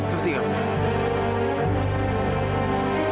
terti nggak pak